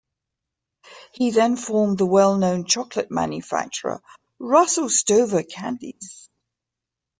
He then formed the well-known chocolate manufacturer Russell Stover Candies.